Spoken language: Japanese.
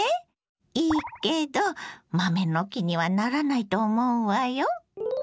いいけど豆の木にはならないと思うわよ。